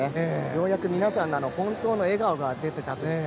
ようやく皆さんの本当の笑顔が出ていたというか。